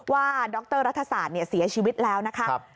ดรรัฐศาสตร์เสียชีวิตแล้วนะคะ